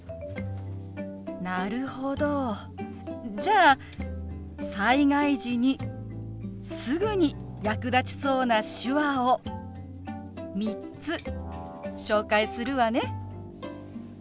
なるほどじゃあ災害時にすぐに役立ちそうな手話を３つ紹介するわね。